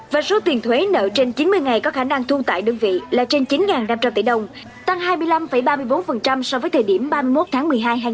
và số tiền thuế nợ trên chín mươi ngày có khả năng thu tại đơn vị là trên chín năm trăm linh tỷ đồng tăng hai mươi năm ba mươi bốn so với thời điểm ba mươi một tháng một mươi hai hai nghìn hai mươi